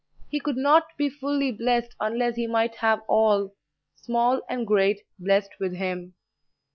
He could not be fully blessed unless he might have all, small and great, blessed with him.